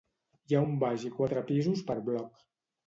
Hi ha un baix i quatre pisos per bloc.